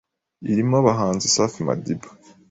irimo abahanzi Safi Madiba,